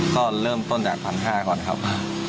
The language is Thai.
ก็เริ่มต้นจาก๑๕๐๐ก่อนครับ